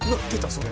それ。